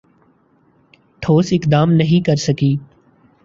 ٹھوس اقدام نہیں کرسکی